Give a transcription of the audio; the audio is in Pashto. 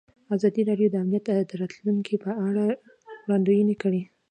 ازادي راډیو د امنیت د راتلونکې په اړه وړاندوینې کړې.